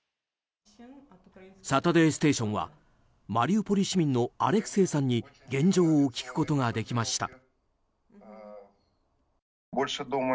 「サタデーステーション」はマリウポリ市民のアレクセイさんに現状を聞くことができました。